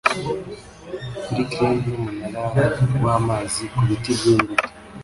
Kuri crane n'umunara wamazi kubiti byimbuto